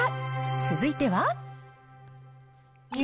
続いては。